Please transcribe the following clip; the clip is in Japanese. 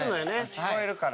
聞こえるから。